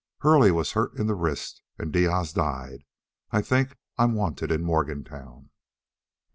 Hurley was hurt in the wrist and Diaz died. I think I'm wanted in Morgantown."